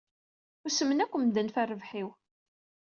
Usmen akk medden ɣef rrbeḥ-iw.